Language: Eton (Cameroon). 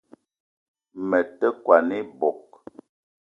Me te kwan ebog